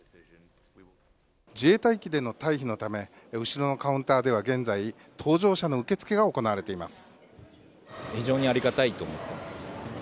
自衛隊機での退避のため後ろのカウンターでは現在、搭乗者の受け付けが行われています。